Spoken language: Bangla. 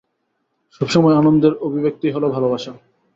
সব সময় আনন্দের অভিব্যক্তিই হল ভালবাসা।